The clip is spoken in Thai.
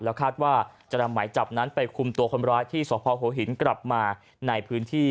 คาดว่าจะนำหมายจับนั้นไปคุมตัวคนร้ายที่สพหัวหินกลับมาในพื้นที่